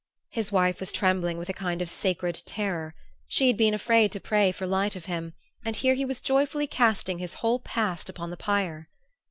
His wife was trembling with a kind of sacred terror. She had been afraid to pray for light for him, and here he was joyfully casting his whole past upon the pyre!